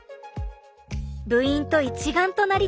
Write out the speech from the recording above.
部員と一丸となりたい。